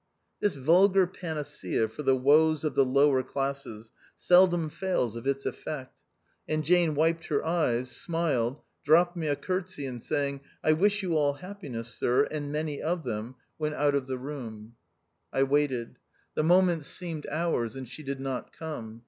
This vulgar panacea for the woes of the lower classes seldom fails of its effect ; and Jane wiped her eyes, smiled, dropped me a curtsey, and saying, " I wish you all happiness, Sir, and many of them," went out of the room. THE OUTCAST. 167 I waited. The moments seemed hours, and she did not come.